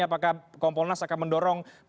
apakah kompolnas akan mendorong